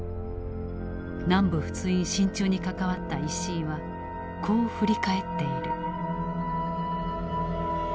南部仏印進駐に関わった石井はこう振り返っている。